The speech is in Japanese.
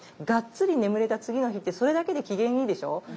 がっつり眠れた次の日ってそれだけで機嫌いいでしょう。